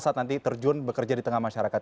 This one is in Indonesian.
saat nanti terjun bekerja di tengah masyarakat